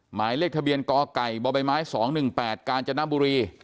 หมายเลขทะเบียนกไก่บใบไม้๒๑๘กาญจนบุรี